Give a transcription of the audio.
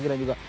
van bagen juga